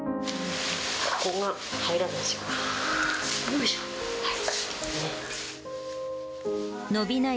ここが入らない。